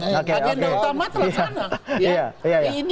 bagian yang utama telah sana